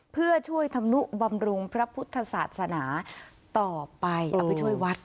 เพื่อช่วยธรรมนุบำรุงพระพุทธศาสนาต่อไปเอาไปช่วยวัด